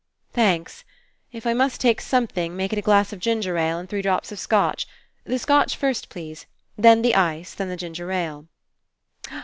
"Thanks. If I must take something, make It a glass of ginger ale and three drops of Scotch. The Scotch first, please. Then the ice, then the ginger ale."